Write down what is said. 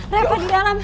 reva di dalam